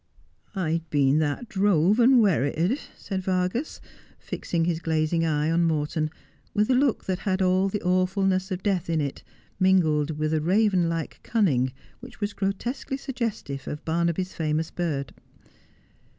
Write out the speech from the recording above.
1 ' I'd been that drove and werrited,' said Vargas, fixing his glazing eye on Morton, with a look that had all the awfulness of death in it, mingled with a raven like cunning, which was gro tesquely suggestive of Barnaby's famous bird.